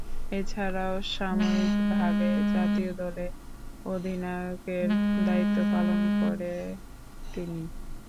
এছাড়াও সাময়িকভাবে জাতীয় দলের অধিনায়কের দায়িত্ব পালন করেন তিনি।